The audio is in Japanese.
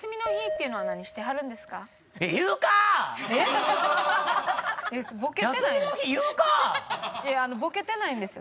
いやボケてないんですよ。